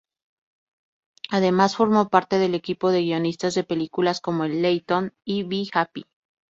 Además, formó parte del equipo de guionistas de películas como "El Leyton" y "B-Happy.